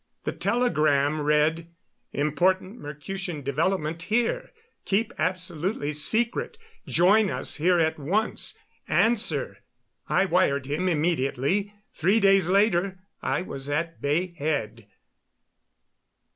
The telegram read: Important Mercutian development here. Keep absolutely secret. Join us here at once. Answer. I wired him immediately. Three days later I was at Bay Head.